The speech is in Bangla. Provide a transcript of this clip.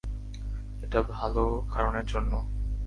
এটা ভালো কারণের জন্য।